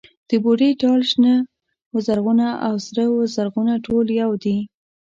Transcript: د بوډۍ ټال، شنه و زرغونه او سره و زرغونه ټول يو دي.